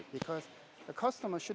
ini adalah hal yang sulit